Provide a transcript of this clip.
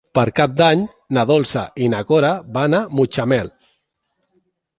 Per Cap d'Any na Dolça i na Cora van a Mutxamel.